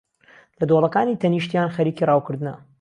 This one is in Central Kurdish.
لە دۆڵەکانی تەنیشتیان خەریکی راوکردنە